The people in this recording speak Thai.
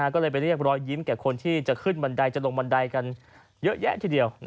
ก็เลยไปเรียกรอยยิ้มแก่คนที่จะขึ้นบันไดจะลงบันไดกันเยอะแยะทีเดียว